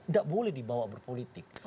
nggak boleh dibawa berpolitik